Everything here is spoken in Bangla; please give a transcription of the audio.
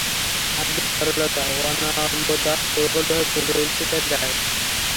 আরবদের সরলতা, অনাড়ম্বরতা প্রকটভাবে ফুটে উঠেছে তার গায়ে।